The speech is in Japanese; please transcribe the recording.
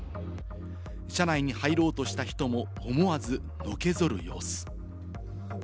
車内に入ろうとした人も思わずのけぞる様子。